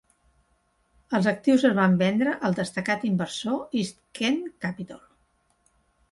Els actius es van vendre al destacat inversor East Kent Capitol.